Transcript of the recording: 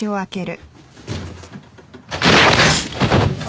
あ。